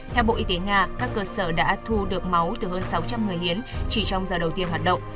theo bộ y tế nga các cơ sở đã thu được máu từ hơn sáu trăm linh người hiến chỉ trong giờ đầu tiên hoạt động